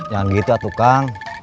jangan gitu ya tukang